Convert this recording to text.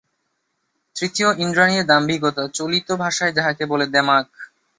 তৃতীয়, ইন্দ্রাণীর দাম্ভিকতা, চলিত ভাষায় যাহাকে বলে দেমাক।